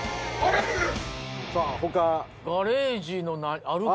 さあ他。